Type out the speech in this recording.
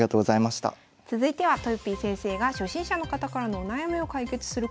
続いてはとよぴー先生が初心者の方からのお悩みを解決するコーナー。